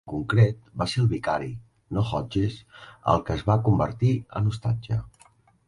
En concret, va ser el vicari, no Hodges, el que es va convertir en ostatge.